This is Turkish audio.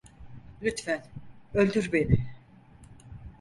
Lütfen öldür beni.